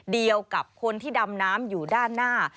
เดียวกับคนที่ดำน้ำอยู่ด้านหน้า